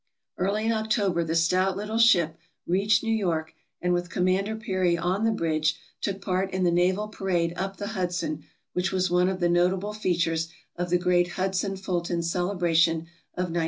Early in October the stout little ship, reached New York, and with Commander Peary on the bridge, took part in the naval parade up the Hudson which was one of the notable features of the great Hudson Fulton celebration of 1909.